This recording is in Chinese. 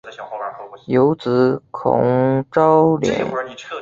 有子孔昭俭。